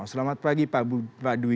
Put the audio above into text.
selamat pagi pak dwi